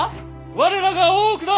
我らが大奥だ！